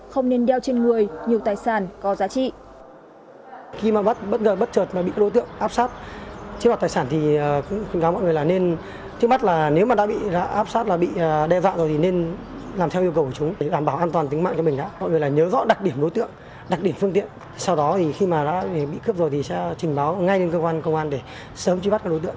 không nên đeo trên người nhiều tài sản có giá trị